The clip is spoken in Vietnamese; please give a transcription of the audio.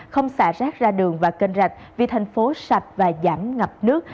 không xả rác ra đường và kênh rạch vì thành phố sạch và giảm ngập nước